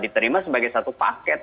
diterima sebagai satu paket